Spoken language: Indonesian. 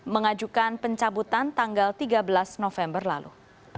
mengajukan pencabutan tanggal tiga belas november lalu